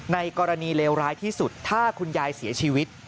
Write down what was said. ในกรณีเลวร้ายที่สุดถ้าคุณยายเสียชีวิต